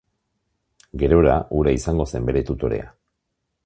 Gerora, hura izango zen bere tutorea.